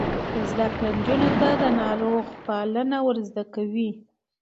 زده کړه نجونو ته د ناروغ پالنه ور زده کوي.